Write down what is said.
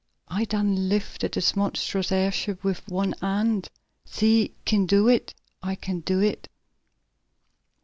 I done lifted dis monstrousness airship wif one hand, See, I kin do it! I kin do it!"